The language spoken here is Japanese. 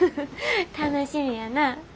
楽しみやなぁ。